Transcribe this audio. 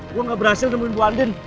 gue gak berhasil nemuin bu andin